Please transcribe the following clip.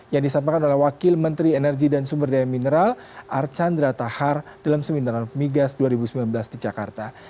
yang disampaikan oleh wakil menteri energi dan sumber daya mineral archandra tahar dalam seminar migas dua ribu sembilan belas di jakarta